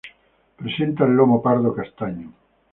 Presenta el lomo pardo castaño.